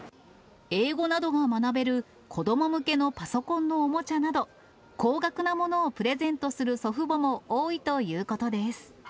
英語などが学べる子ども向けのパソコンのおもちゃなど、高額なものをプレゼントする祖父母も多いということです。